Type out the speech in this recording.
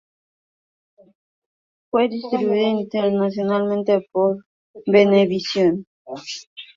Fue distribuida internacionalmente por Venevisión.